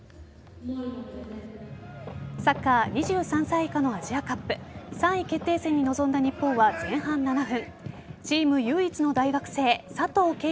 サッカー２３歳以下のアジアカップ３位決定戦に臨んだ日本は前半７分チーム唯一の大学生佐藤恵